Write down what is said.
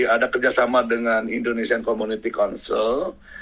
ada kerjasama dengan indonesian community council